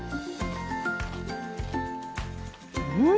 うん！